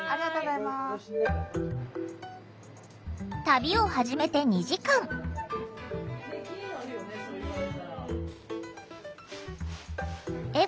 旅を始めて２時間。笑